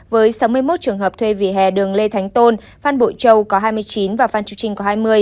với sáu mươi một trường hợp thuê vỉa hè đường lê thánh tôn phan bội châu có hai mươi chín và phan chu trinh có hai mươi